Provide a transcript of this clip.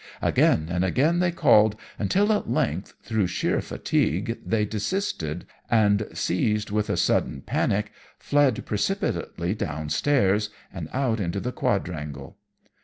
Again and again they called, until at length, through sheer fatigue, they desisted, and seized with a sudden panic fled precipitately downstairs and out into the quadrangle.